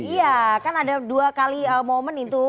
iya kan ada dua kali momen itu